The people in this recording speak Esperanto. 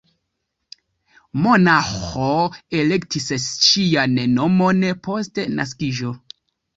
Monaĥo elektis ŝian nomon post naskiĝo.